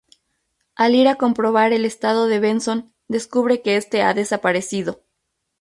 Al ir a comprobar el estado de Benson, descubre que este ha desaparecido.